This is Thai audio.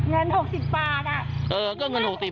เงินหกสิบบาทอ่ะเออก็เงินหกสิบ